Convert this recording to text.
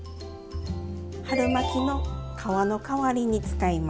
春巻の皮の代わりに使います。